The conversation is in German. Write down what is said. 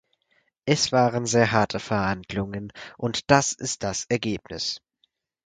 Es waren sehr harte Verhandlungen, und das ist das Ergebnis.